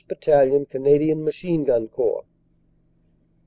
Battalion Canadian Machine Gun Corps.